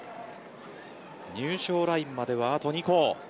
入賞ラインまではあと２校。